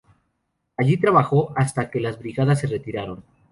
Allí trabajó hasta que las Brigadas se retiraron.